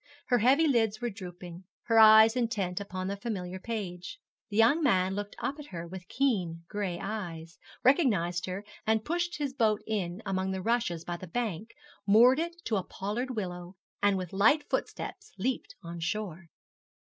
Her heavy lids were drooping, her eyes intent upon the familiar page. The young man looked up at her with keen gray eyes, recognised her, and pushed his boat in among the rushes by the bank, moored it to a pollard willow, and with light footstep leaped on shore.